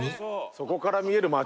そこから見える街。